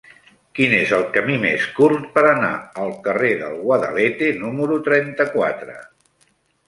Quin és el camí més curt per anar al carrer del Guadalete número trenta-quatre?